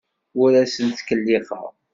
Ur asen-ttkellixeɣ.